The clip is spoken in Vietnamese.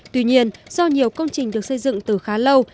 tuy nhiên do nhiều công trình được xây dựng từ khá lâu